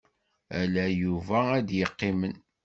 Ala Yuba ay yeqqimen.